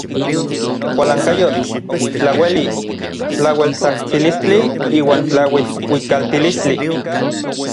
Kualankayotl, tlaueli, tlaueltsajtsilistli iuan tlauijuikaltilistli.